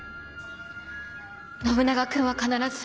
信長君は必ず。